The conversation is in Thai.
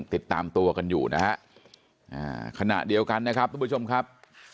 ติดตามตัวกันอยู่นะฮะขณะเดียวกันนะครับทุกผู้ชมครับ